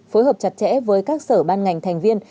phối hợp chặt chẽ với các sở ban ngành thành viên